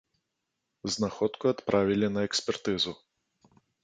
Знаходку адправілі на экспертызу.